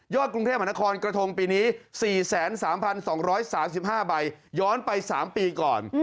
กรุงเทพมหานครกระทงปีนี้๔๓๒๓๕ใบย้อนไป๓ปีก่อน